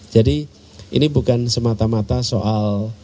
jadi ini bukan semata mata soal